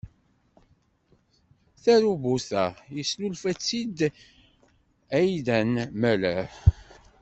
Tarubut-a, yesnulfa-tt-id Aidan Meller.